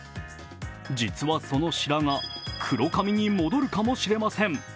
実は、その白髪黒髪に戻るかもしれません。